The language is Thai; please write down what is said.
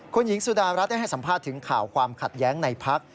คุณหญิงสุดารัฐได้ให้สัมภาษณ์ถึงข่าวความขัดแย้งในพัก